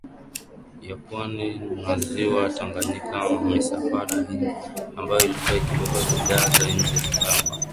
ya pwani na Ziwa Tanganyika Misafara hiyo ambayo ilikuwa ikibeba bidhaa za nje kama